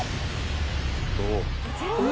どう？